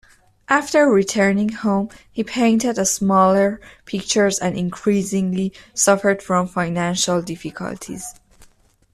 After returning home, he painted smaller pictures and increasingly suffered from financial difficulties.